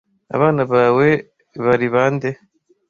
Abana bawe bari bande,